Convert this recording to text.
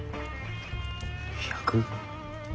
１００？